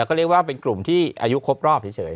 ก็เรียกว่าเป็นกลุ่มที่อายุครบรอบเฉย